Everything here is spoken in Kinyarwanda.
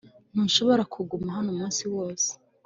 ntushobora kuguma hano umunsi wose